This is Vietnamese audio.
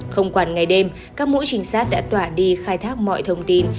không quản ngày đêm các mũi trinh sát đã tỏa đi khai thác mọi thông tin